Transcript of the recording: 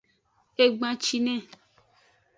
Egbancine.